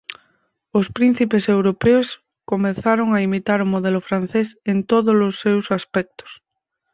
Os príncipes europeos comezaron a imitar o modelo francés en tódolos seus aspectos.